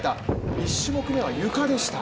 １種目めはゆかでした。